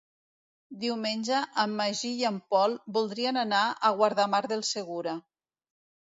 Diumenge en Magí i en Pol voldrien anar a Guardamar del Segura.